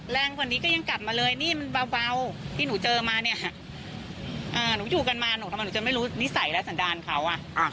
แรงกว่านี้ก็ยังกลับมาเลยนี่มันเบาที่หนูเจอมาเนี่ยหนูอยู่กันมาหนูทำไมหนูจะไม่รู้นิสัยและสันดาลเขาอ่ะ